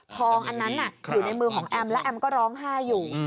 ทองอันนั้นอยู่ในมือของแอมก็ร้องไห้อยู่